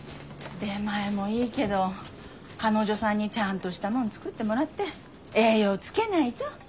出前もいいけど彼女さんにちゃんとしたもの作ってもらって栄養つけないと。